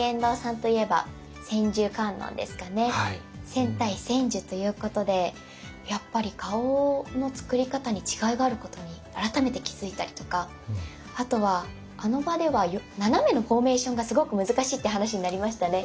千体千手ということでやっぱり顔の造り方に違いがあることに改めて気付いたりとかあとはあの場では斜めのフォーメーションがすごく難しいって話になりましたね。